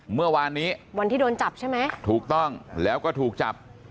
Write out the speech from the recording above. เมื่อวานนี้วันที่โดนจับใช่ไหมถูกต้องแล้วก็ถูกจับ